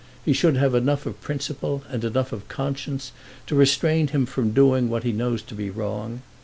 He should have enough of principle and enough of conscience to restrain him from doing what he knows to be wrong.